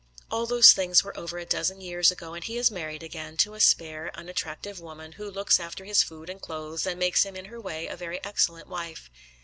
All those things were over a dozen years ago, and he is married again, to a spare, unattractive woman, who looks after his food and clothes, and makes him in her way a very excellent wife.